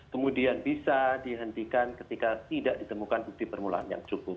kemudian bisa dihentikan ketika tidak ditemukan bukti permulaan yang cukup